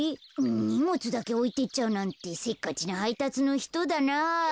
にもつだけおいてっちゃうなんてせっかちなはいたつのひとだな。